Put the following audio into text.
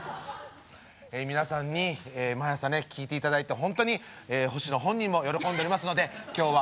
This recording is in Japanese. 皆さんに毎朝聴いて頂いて本当に星野本人も喜んでおりますので今日は。